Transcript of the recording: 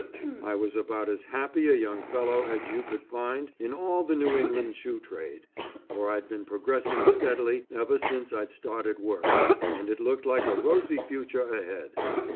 I was about as happy a young fellow as you could find in all the New England shoe trade, for I'd been progressing steadily ever since I'd started work and it looked like a rosy future ahead.